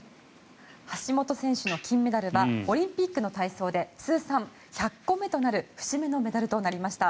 橋本選手の金メダルはオリンピックの体操で通算１００個目となる節目のメダルとなりました。